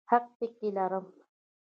حق پکې لرم.